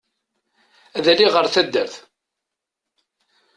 Ad aliɣ ɣer taddart.